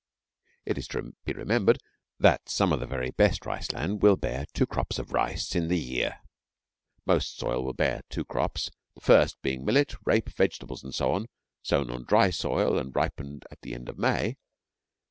It is to be remembered that some of the very best rice land will bear two crops of rice in the year. Most soil will bear two crops, the first being millet, rape, vegetables, and so on, sown on dry soil and ripening at the end of May.